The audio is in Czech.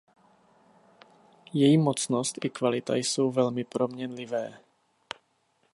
Její mocnost i kvalita jsou velmi proměnlivé.